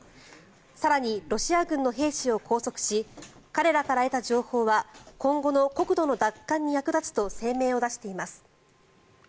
更に、ロシア軍の兵士を拘束し彼らから得た情報は今後の国土の奪還に役立つと声明を出しています。